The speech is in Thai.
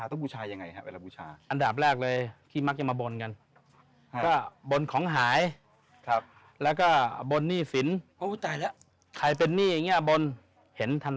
ตกลุ่มอย่างที่พระอาจารย์